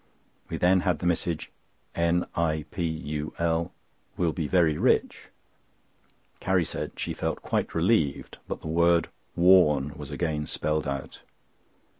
We then had the message, "NIPUL will be very rich." Carrie said she felt quite relieved, but the word "WARN" was again spelt out.